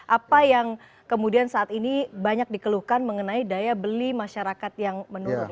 apa yang kemudian saat ini banyak dikeluhkan mengenai daya beli masyarakat yang menurun